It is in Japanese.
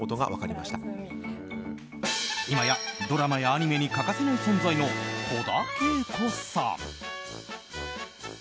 いまや、ドラマやアニメに欠かせない存在の戸田恵子さん。